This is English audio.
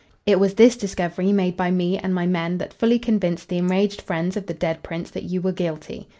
It was this discovery, made by me and my men, that fully convinced the enraged friends of the dead Prince that you were guilty.